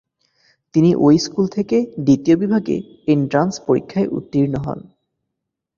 তিনি ঐ স্কুল থেকে দ্বিতীয় বিভাগে এন্ট্রান্স পরীক্ষায় উত্তীর্ণ হন।